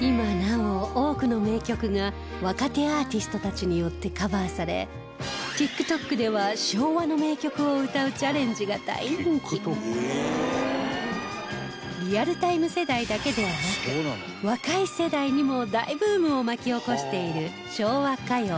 今なお、多くの名曲が若手アーティストたちによってカバーされＴｉｋＴｏｋでは、昭和の名曲を歌うチャレンジが大人気リアルタイム世代だけではなく若い世代にも、大ブームを巻き起こしている昭和歌謡